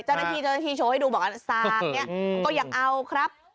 จนกระทีโชว์ให้ดูบอกว่าสามารถเนี่ยก็อยากเอาครับ